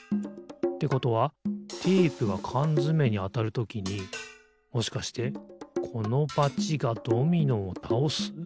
ってことはテープがかんづめにあたるときにもしかしてこのバチがドミノをたおす？